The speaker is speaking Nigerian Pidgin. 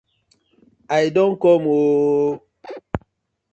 I don kom oo!!